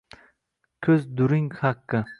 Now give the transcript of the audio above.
Ko’z during haqqi.